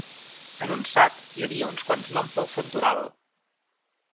En un sac hi havia uns quants noms del santoral.